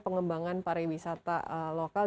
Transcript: pengembangan pariwisata lokal